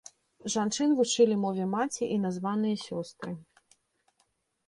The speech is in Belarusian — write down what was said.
Жанчын вучылі мове маці і названыя сёстры.